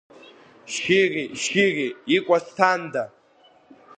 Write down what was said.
Шьыри-шьыри, икәа сҭанда!